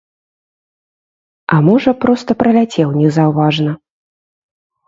А можа проста праляцеў незаўважна.